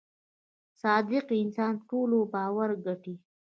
• صادق انسان د ټولو باور ګټي.